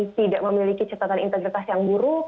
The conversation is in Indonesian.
tidak memiliki catatan integritas yang buruk